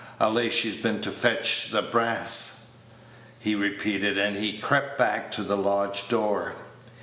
"I'll lay she's been to fetch t' brass," he repeated, as he crept back to the lodge door.